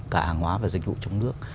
cả hàng hóa và dịch vụ trong nước